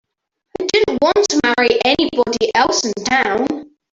I didn't want to marry anybody else in town.